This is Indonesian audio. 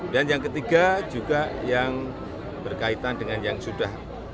dan yang ketiga juga yang berkaitan dengan yang sudah